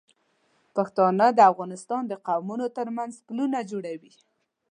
پښتانه د افغانستان د قومونو تر منځ پلونه جوړوي.